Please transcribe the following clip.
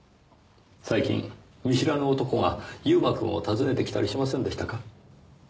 最近見知らぬ男が悠馬くんを訪ねてきたりしませんでしたか？